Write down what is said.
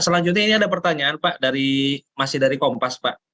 selanjutnya ini ada pertanyaan pak dari masih dari kompas pak